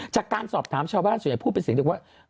จากการสอบถามชาวบ้านส่วนใหญ่พูดเป็นเสียงเดียวว่า